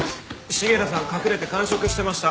重田さん隠れて間食してました。